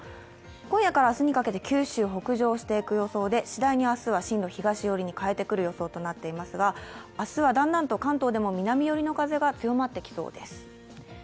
今夜から明日にかけて九州北上していく予想でしだいに明日は進路を東寄りに変えてくる予想となっていますが、明日はだんだんと南寄りの風が強まってきそうです。